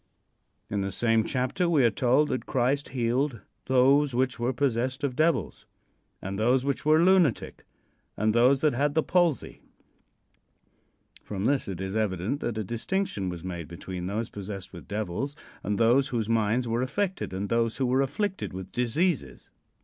In the same chapter we are told that Christ healed "those which were possessed of devils, and those which were lunatic, and those that had the palsy." From this it is evident that a distinction was made between those possessed with devils and those whose minds were affected and those who were afflicted with diseases.